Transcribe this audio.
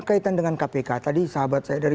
kaitan dengan kpk tadi sahabat saya dari